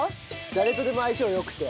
誰とでも相性良くて。